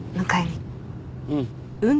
うん。